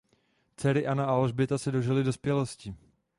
Dcery Anna a Alžběta se dožily dospělosti.